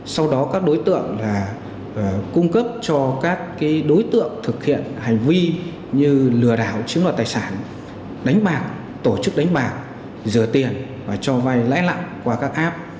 sau đó các đối tượng đã cung cấp cho các đối tượng thực hiện hành vi như lừa đảo chính loại tài sản đánh bạc tổ chức đánh bạc dừa tiền và cho vai lãnh lặng qua các app